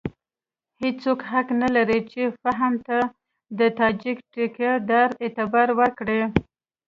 هېڅوک حق نه لري چې فهیم ته د تاجک ټیکه دار اعتبار ورکړي.